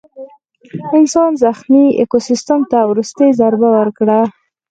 انسان زخمي ایکوسیستم ته وروستۍ ضربه ورکړه.